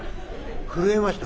「震えましたか？」。